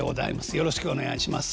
よろしくお願いします。